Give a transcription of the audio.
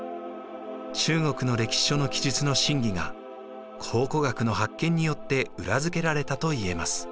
中国の歴史書の記述の真偽が考古学の発見によって裏付けられたといえます。